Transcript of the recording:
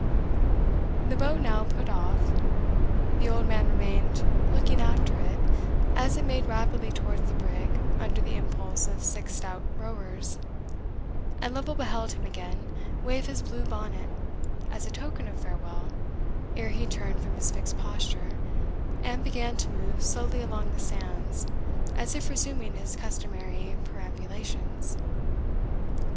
The boat now put off. The old man remained looking after it as it made rapidly towards the brig under the impulse of six stout rowers, and Lovel beheld him again wave his blue bonnet as a token of farewell ere he turned from his fixed posture, and began to move slowly along the sands as if resuming his customary perambulations.